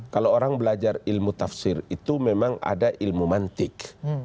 kalau orang belajar ilmu tafsir itu memang ada ilmu mantik